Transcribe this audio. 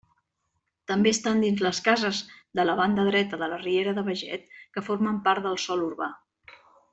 També estan dins les cases de la banda dreta de la riera de Beget que formen part del sòl urbà.